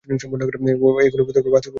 ঐগুলি বাস্তবিক পক্ষে নিয়মই নয়।